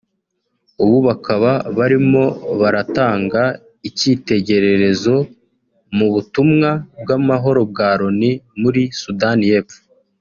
ubu bakaba barimo baratanga ikitegererezo mu butumwa bw’amahoro bwa Loni muri Sudani y’Epfo